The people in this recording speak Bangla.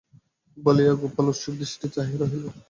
বলিয়া গোপাল উৎসুক দৃষ্টিতে চাহিয়া রহিল।